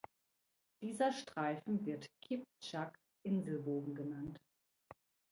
Dieser Streifen wird "Kiptschak-Inselbogen" genannt.